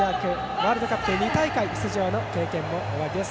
ワールドカップ２大会出場の経験もおありです。